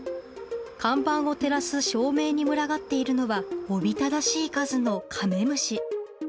看板を照らす照明に群がっているのは、おびただしい数のカメムシ。